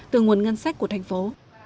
từ nguồn ngân sách của thành phố